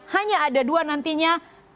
hanya ada dua nantinya